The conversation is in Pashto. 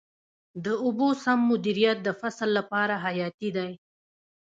د اوبو سم مدیریت د فصل لپاره حیاتي دی.